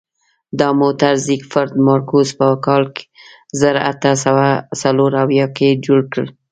دا موټر زیکفرد مارکوس په کال زر اته سوه څلور اویا کې جوړ کړ.